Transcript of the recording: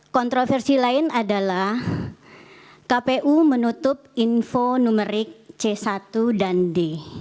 kontroversi lain adalah kpu menutup info numerik c satu dan d